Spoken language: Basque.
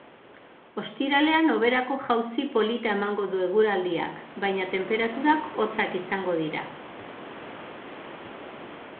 Ostiralean hoberako jauzi polita emango du eguraldiak, baina tenperaturak hotzak izango dira.